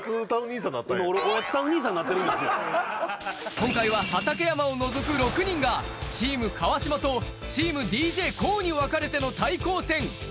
今回は畠山を除く６人がチーム・川島と、チーム・ＤＪＫＯＯにわかれての対抗戦。